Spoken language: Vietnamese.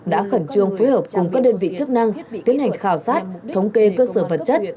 đã khẩn trương phối hợp cùng các đơn vị chức năng tiến hành khảo sát thống kê cơ sở vật chất